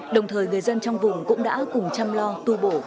đồng thời người dân trong vùng cũng đã cùng chăm lo tu bổ